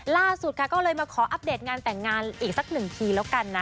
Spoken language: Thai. ล่าสุดค่ะก็เลยมาขออัปเดตงานแต่งงานอีกสักหนึ่งทีแล้วกันนะ